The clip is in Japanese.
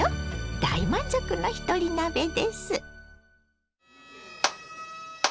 大満足のひとり鍋です。